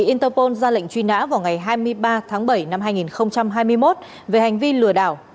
interpol ra lệnh truy nã vào ngày hai mươi ba tháng bảy năm hai nghìn hai mươi một về hành vi lừa đảo